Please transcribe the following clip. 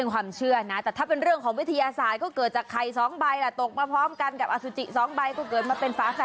งานแต่งฝาแฟดชายหญิง